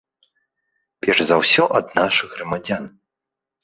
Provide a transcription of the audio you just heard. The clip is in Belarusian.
Перш за ўсё, ад нашых грамадзян.